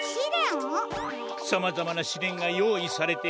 さまざまなしれんがよういされておる。